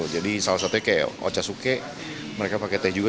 jadi salah satunya kayak ocha suke mereka pakai teh juga